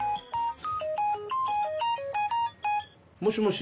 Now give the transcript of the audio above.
もしもし。